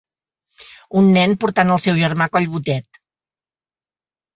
Un nen portant el seu germà a collbotet.